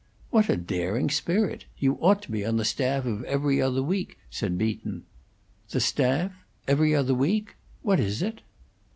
"What a daring spirit! You ought to be on the staff of 'Every Other Week,'" said Beaton. "The staff 'Every Other Week'? What is it?"